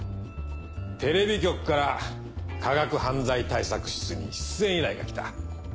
テレビ局から科学犯罪対策室に出演依頼が来た。